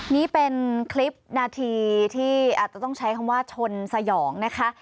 นี่เป็นคลิปนาทีที่อาจจะต้องใช้คำว่าชนสยองนะคะ